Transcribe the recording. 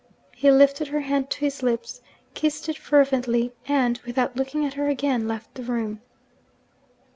He lifted her hand to his lips, kissed it fervently, and, without looking at her again, left the room.